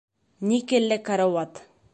— Никелле карауат.